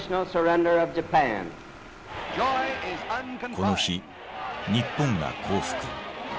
この日日本が降伏。